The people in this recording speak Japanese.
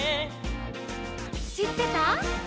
「しってた？」